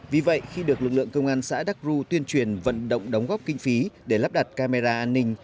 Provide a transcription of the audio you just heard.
vì vậy khi được lực lượng công an xã đắc ru tuyên truyền vận động đóng góp kinh phí để lắp đặt camera an ninh